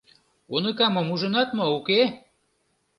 Уныкамым ужынат мо, уке?